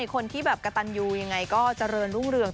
คนที่แบบกระตันยูยังไงก็เจริญรุ่งเรือง